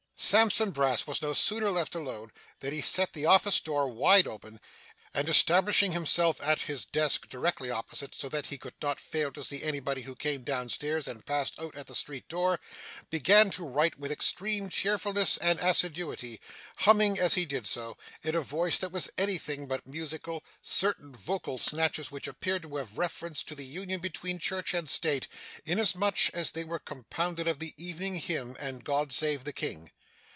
Sampson Brass was no sooner left alone, than he set the office door wide open, and establishing himself at his desk directly opposite, so that he could not fail to see anybody who came down stairs and passed out at the street door, began to write with extreme cheerfulness and assiduity; humming as he did so, in a voice that was anything but musical, certain vocal snatches which appeared to have reference to the union between Church and State, inasmuch as they were compounded of the Evening Hymn and God save the King.